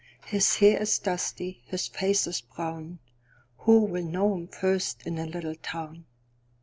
His hair is dusty, his face is brown; Who will know him first in the little town?